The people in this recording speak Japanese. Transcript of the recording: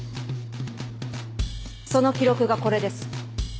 その記録がこれです。